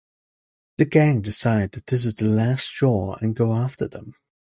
The gang decide that this is the last straw and go after them.